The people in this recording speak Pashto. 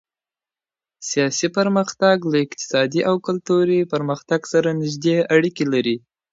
سياسي پرمختګ له اقتصادي او کلتوري پرمختګ سره نږدې اړيکي لري.